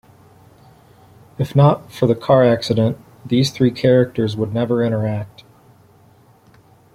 If not for the car accident, these three characters would never interact.